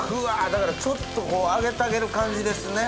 だからちょっと揚げてあげる感じですね。